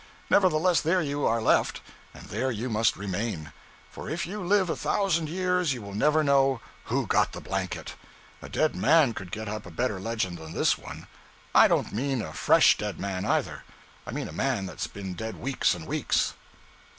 Nevertheless, there you are left, and there you must remain; for if you live a thousand years you will never know who got the blanket. A dead man could get up a better legend than this one. I don't mean a fresh dead man either; I mean a man that's been dead weeks and weeks.